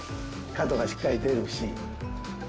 角がしっかり出るし。